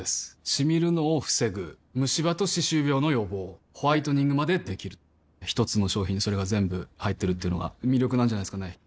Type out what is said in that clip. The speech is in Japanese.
シミるのを防ぐムシ歯と歯周病の予防ホワイトニングまで出来る一つの商品にそれが全部入ってるっていうのが魅力なんじゃないですかね